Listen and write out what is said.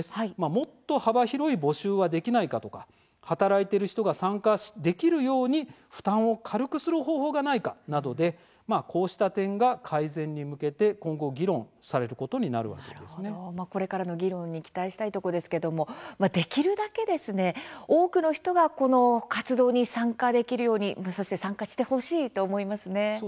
もっと幅広い募集をできないかとか働いている人が参加できるように負担を軽くする方法がないかなどでこうした点が改善に向けて今後これからの議論に期待したいところですができるだけ多くの人が活動に参加できるようにしてほしいですね。